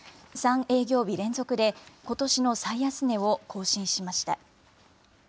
３営業日連続で、ことしの最安値を更新しました。